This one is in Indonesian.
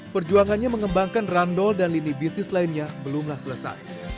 perjuangannya mengembangkan randol dan lini bisnis lainnya belumlah selesai